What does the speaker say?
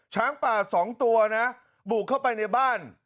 ช้างป่า๒ตัวนะบุกเข้าไปในบ้าน